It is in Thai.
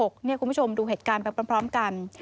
คุณผู้ชมดูเหตุการณ์ไปพร้อมกัน